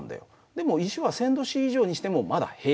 でも石は１，０００℃以上にしてもまだ平気なんだよね。